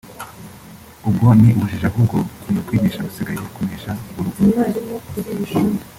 ubwo ni ubujiji ahubwo ukwiriye kwigisha abasigaye kunesha urupfu